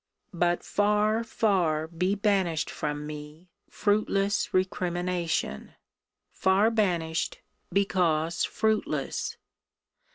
But far, far, be banished from me fruitless recrimination! Far banished, because fruitless!